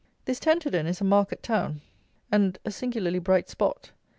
This Tenterden is a market town, and a singularly bright spot.